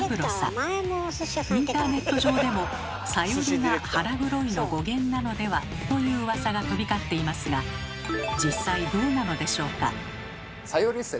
インターネット上でもサヨリが「腹黒い」の語源なのでは？といううわさが飛び交っていますが実際どうなのでしょうか？